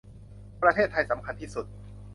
ประเทศไทยสำคัญที่สุด